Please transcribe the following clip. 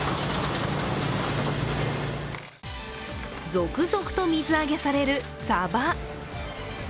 続々と水揚げされる、さば。